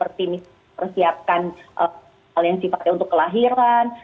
sedangkan untuk hal lain seperti persiapkan hal yang sifatnya untuk kelahiran